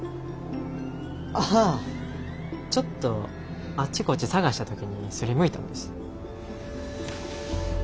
あぁちょっとあっちこっち探した時に擦りむいたんです。